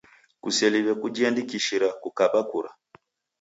Kuseliw'e kujiandikishira kukaba kura